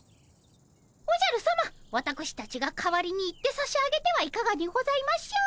おじゃるさまわたくしたちが代わりに行ってさしあげてはいかがにございましょう。